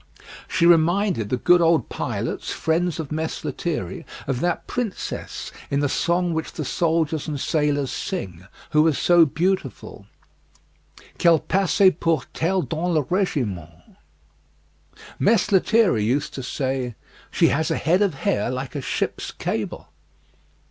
She reminded the good old pilots, friends of Mess Lethierry, of that princess in the song which the soldiers and sailors sing, who was so beautiful: "Qu'elle passait pour telle dans le regiment." Mess Lethierry used to say, "She has a head of hair like a ship's cable."